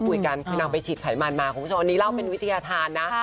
คุยกันคือนางไปฉีดไขมันมาคุณผู้ชมอันนี้เล่าเป็นวิทยาธารนะ